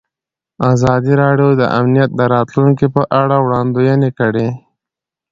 ازادي راډیو د امنیت د راتلونکې په اړه وړاندوینې کړې.